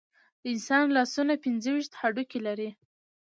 د انسان لاسونه پنځه ویشت هډوکي لري.